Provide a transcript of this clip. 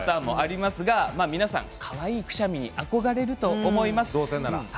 かわいいくしゃみに憧れると思います。